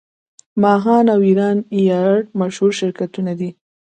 ماهان او ایران ایر مشهور شرکتونه دي.